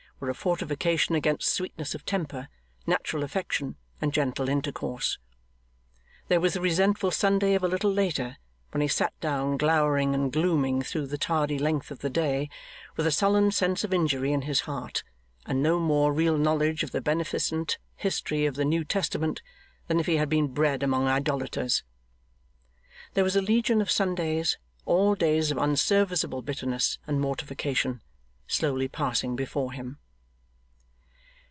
were a fortification against sweetness of temper, natural affection, and gentle intercourse. There was the resentful Sunday of a little later, when he sat down glowering and glooming through the tardy length of the day, with a sullen sense of injury in his heart, and no more real knowledge of the beneficent history of the New Testament than if he had been bred among idolaters. There was a legion of Sundays, all days of unserviceable bitterness and mortification, slowly passing before him.